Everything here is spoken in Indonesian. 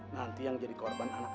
nanti yang jadi korban anak